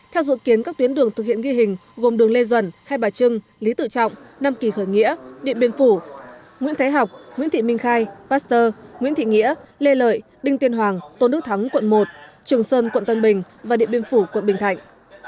theo dự kiến các tuyến đường thực hiện ghi hình gồm đường lê duẩn hai bà trưng lý tự trọng nam kỳ khởi nghĩa điện biên phủ nguyễn thái học nguyễn thị minh khai pasteur nguyễn thị nghĩa lê lợi đinh tiên hoàng tôn đức thắng quận một trường sơn quận tân bình và điện biên phủ quận bình thạnh